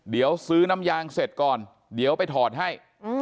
เดี๋ยวซื้อน้ำยางเสร็จก่อนเดี๋ยวไปถอดให้